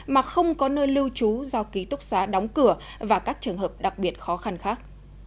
mà không có nơi lưu trú giao ký túc xá đóng cửa và các trường hợp đặc biệt khó khăn khác